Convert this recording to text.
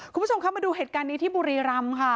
คุณผู้ชมคะมาดูเหตุการณ์นี้ที่บุรีรำค่ะ